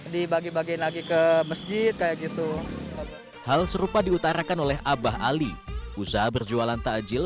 dibagi bagiin lagi ke masjid kayak gitu hal serupa diutarakan oleh abah ali usaha berjualan takjil